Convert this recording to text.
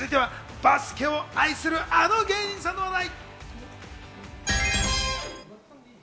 続いてはバスケを愛するあの芸人さんの話題。